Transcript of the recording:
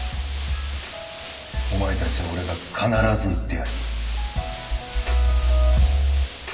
お前たちは俺が必ず売ってやる